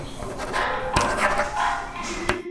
انجینري پوهنځۍ په اسانۍ سره نه منظوریږي.